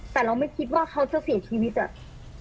แต่เราไม่คิดว่าเขาจะเสียชีวิตอ่ะ